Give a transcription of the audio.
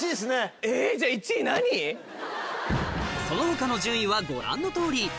その他の順位はご覧のとおり